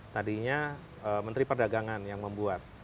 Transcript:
tadinya menteri perdagangan yang membuat